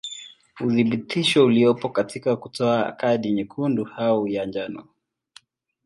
Uthibitisho uliopo katika kutoa kadi nyekundu au ya njano.